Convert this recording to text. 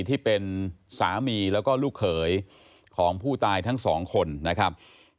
ที่เป็นสามีแล้วก็ลูกเขยของผู้ตายทั้งสองคนนะครับ